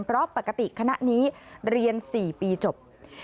เพราะปกติคณะนี้เรียน๔ปีจบ